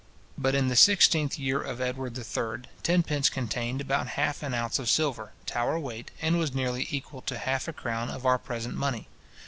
But in the 16th year of Edward III. tenpence contained about half an ounce of silver, Tower weight, and was nearly equal to half a crown of our present money.